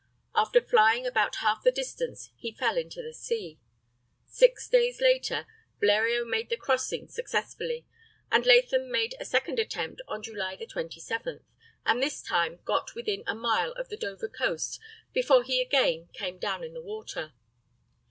After flying about half the distance he fell into the sea. Six days later Bleriot made the crossing successfully, and Latham made a second attempt on July 27th, and this time got within a mile of the Dover coast before he again came down in the water.